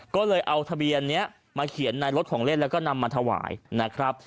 ก็เลยเอาทะเบียนนี้มาเขียนในรถของเล่นแล้วก็นำมาถวายนะครับ